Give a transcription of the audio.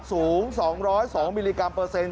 สูง๒๐๒มิลลิกรัมเปอร์เซ็นต